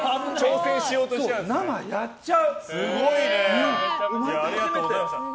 生、やっちゃう。